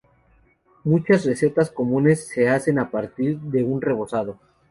Muchas recetas comunes se hacen a partir de un rebozado.